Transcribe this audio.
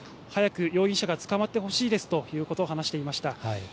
早く容疑者が捕まってほしいですということを話していました。